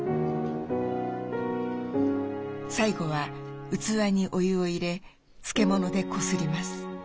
最後は器にお湯を入れ漬物でこすります。